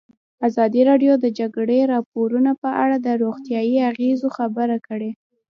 ازادي راډیو د د جګړې راپورونه په اړه د روغتیایي اغېزو خبره کړې.